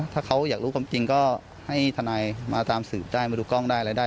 ถ้าเขาอยากรู้ความจริงก็ให้ทนายมาตามสืบได้มาดูกล้องได้อะไรได้